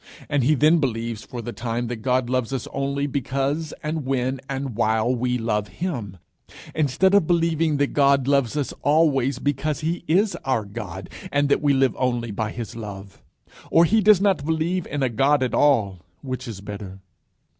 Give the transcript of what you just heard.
And he then believes for the time that God loves us only because and when and while we love him; instead of believing that God loves us always because he is our God, and that we live only by his love. Or he does not believe in a God at all, which is better.